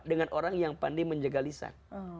dengan orang yang pandai menjaga lisan